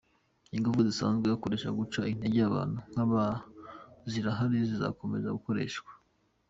Ingufu zisanzwe zikoreshwa mu guca intege abantu nk’aba zirahari zizakomeza gukoreshwa.